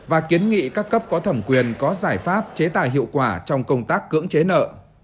và kiến nghị các cấp có thẩm quyền có giải pháp chế tài hiệu quả trong công tác cưỡng chế nợ